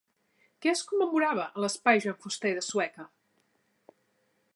Què es commemorava a l'Espai Joan Fuster de Sueca?